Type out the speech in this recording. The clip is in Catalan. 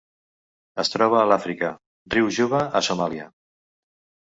Es troba a Àfrica: riu Juba a Somàlia.